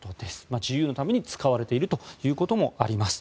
自由のために使われているということもあります。